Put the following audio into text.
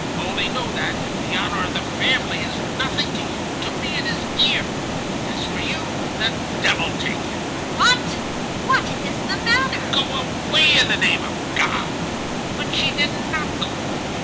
Only know that, if the honor of the family is nothing to you, to me it is dear. As for you, the devil take you!' "'What! What is the matter?' "'Go away, in the name of God.' "But she did not go away.